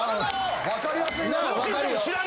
分かりやすいだろ！